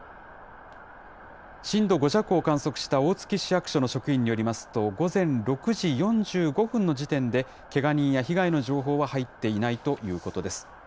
震度５弱を観測した大月市役所の職員によりますと、午前６時４５分の時点でけが人や被害の情報は入っていないということです。